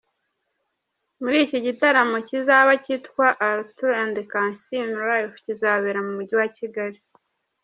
Muri iki gitaramo kizaba cyitwa ‘Arthur and Kansiime Live’ kizabera mu mujyi wa Kigali.